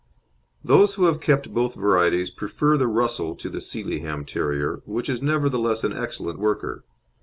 Those who have kept both varieties prefer the Russell to the Sealyham Terrier, which is nevertheless an excellent worker.